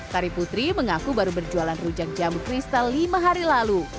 tari putri mengaku baru berjualan rujak jamu kristal lima hari lalu